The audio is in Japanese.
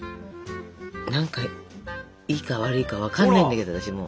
何かいいか悪いか分かんないんだけど私も。